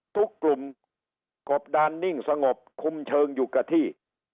ทุกกลุ่มกบดานนิ่งสงบคุมเชิงอยู่กับที่